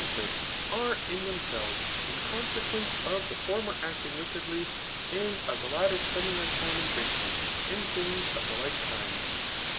mpenLtef are in themselves, in coMequence oiT idie hrmmr acting wickedly, and of the latter spending their ^e in drinking, and things of the like kind.